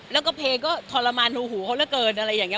แล้วก็เพลงก็ทรมานฮูหูเขาเหลือเกินอะไรอย่างนี้